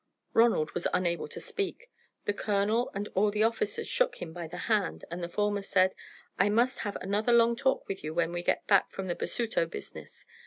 Ronald was unable to speak; the colonel and all the officers shook him by the hand, and the former said: "I must have another long talk with you when we get back from the Basuto business.